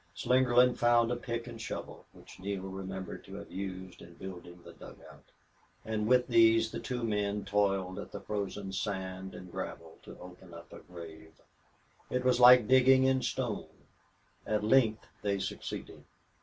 Slingerland found a pick and shovel, which Neale remembered to have used in building the dugout; and with these the two men toiled at the frozen sand and gravel to open up a grave; It was like digging in stone. At length they succeeded.